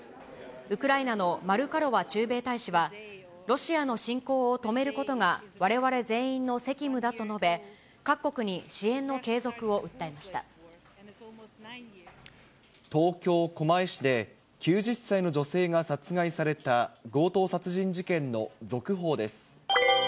ウクライナのマルカロワ駐米大使は、ロシアの侵攻を止めることがわれわれ全員の責務だと述べ、東京・狛江市で、９０歳の女性が殺害された、強盗殺人事件の続報です。